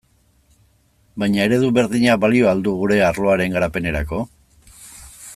Baina eredu berdinak balio al du gure arloaren garapenerako?